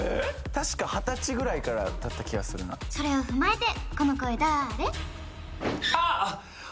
確か二十歳ぐらいからだった気がするなそれをふまえてこの声だれ？